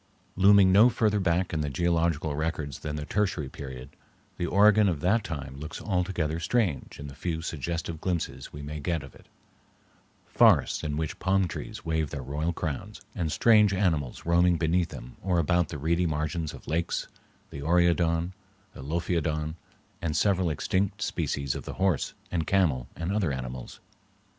Looming no further back in the geological records than the Tertiary Period, the Oregon of that time looks altogether strange in the few suggestive glimpses we may get of it—forests in which palm trees wave their royal crowns, and strange animals roaming beneath them or about the reedy margins of lakes, the oreodon, the lophiodon, and several extinct species of the horse, the camel, and other animals.